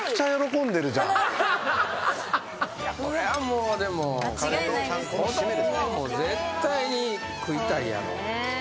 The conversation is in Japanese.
これはもうでも子供はもう絶対に食いたいやろ。